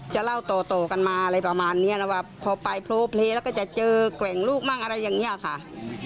จะเล่าต่อกันมาอะไรประมาณนี้นะว่าพอไปโพลเพลย์แล้วก็จะเจอแกว่งลูกมั่งอะไรอย่างนี้ค่ะ